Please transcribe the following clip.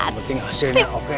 penting hasilnya oke